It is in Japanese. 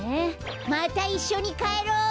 またいっしょにかえろう！